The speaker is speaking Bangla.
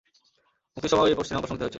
মুক্তির সময়ও এই সিনেমা প্রশংসিত হয়েছিলো।